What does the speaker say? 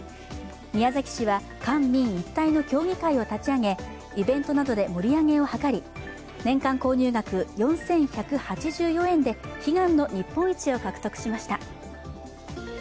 宮崎市は官民一体の協議会を立ち上げイベントなどで盛り上げを図り、年間購入額４１８４円で悲願の日本一を獲得しました。